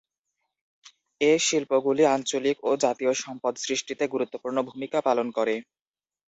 এ শিল্পগুলি আঞ্চলিক ও জাতীয় সম্পদ সৃষ্টিতে গুরুত্বপূর্ণ ভূমিকা পালন করে।